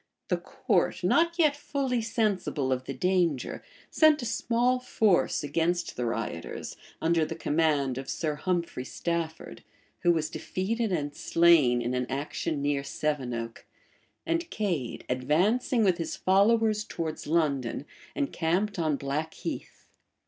The court, not yet fully sensible of the danger, sent a small force against the rioters, under the command of Sir Humphrey Stafford, who was defeated and slain in an action near Sevenoke;[] and Cade, advancing with his followers towards London, encamped on Blackheath.